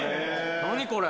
何これ？